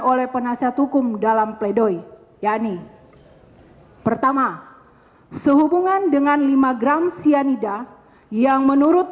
oleh penasihat hukum dalam pledoi yakni pertama sehubungan dengan lima gram cyanida yang menurut